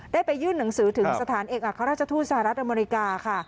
ไปยื่นหนังสือถึงสถานเอกอัครราชทูตสหรัฐอเมริกาค่ะ